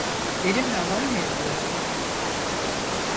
Benimle alay mı ediyorsun?